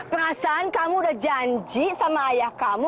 masan kamu udah janji sama ayah kamu